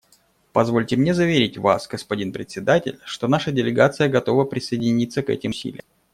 Позвольте мне заверить Вас, господин Председатель, что наша делегация готова присоединиться к этим усилиям.